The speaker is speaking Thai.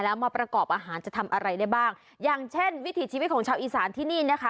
แล้วมาประกอบอาหารจะทำอะไรได้บ้างอย่างเช่นวิถีชีวิตของชาวอีสานที่นี่นะคะ